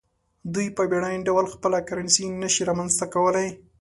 دوی په بیړني ډول خپله کرنسي نشي رامنځته کولای.